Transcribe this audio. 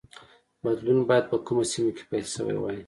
بدلون باید په کومه سیمه کې پیل شوی وای